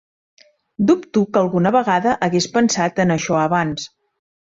Dubto que alguna vegada hagués pensat en això abans.